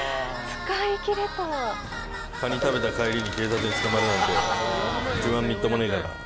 カニ食べた帰りに警察に捕まるなんて一番みっともねえから。